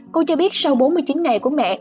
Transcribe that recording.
cô cho biết sau bốn mươi chín ngày của mẹ